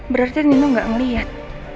berarti nino gak ngelihat